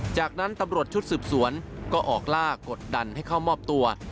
จากนั้นตำรวจชุดสืบสวนก็ออกล่ากดดันให้เข้ามอบตัว